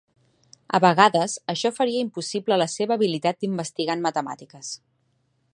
A vegades això faria impossible la seva habilitat d'investigar en matemàtiques.